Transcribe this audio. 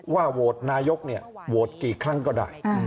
โหวตนายกเนี่ยโหวตกี่ครั้งก็ได้